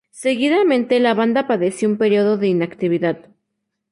Seguidamente la banda padeció un periodo de inactividad.